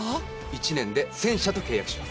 １年で１０００社と契約します